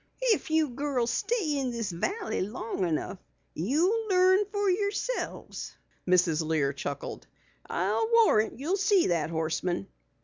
"If you girls stay in this valley long enough you'll learn fer yourselves," Mrs. Lear chuckled. "I'll warrant you'll see that Horseman."